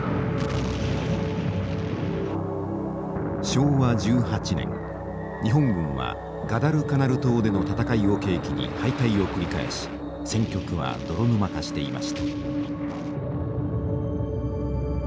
昭和１８年日本軍はガダルカナル島での戦いを契機に敗退を繰り返し戦局は泥沼化していました。